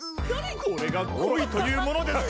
これが恋というものですか？